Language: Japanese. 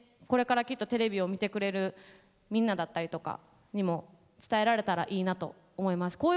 これからきっとテレビを見てくれるみんなだったりとかにも伝えられたらいいなと思います。